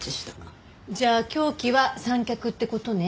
じゃあ凶器は三脚って事ね。